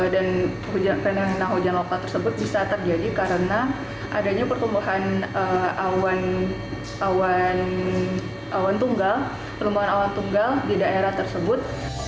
dan penelitian hujan lokal tersebut bisa terjadi karena adanya pertumbuhan awan tunggal di daerah tersebut